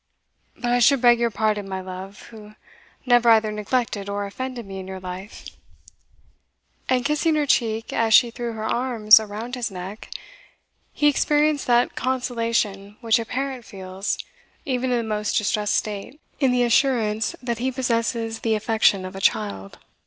But I should beg your pardon, my love, who never either neglected or offended me in your life." And kissing her cheek as she threw her arms round his neck, he experienced that consolation which a parent feels, even in the most distressed state, in the assurance that he possesses the affection of a child.